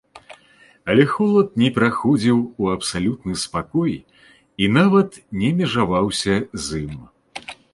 Але холад не пераходзіў у абсалютны спакой і нават не межаваўся з ім.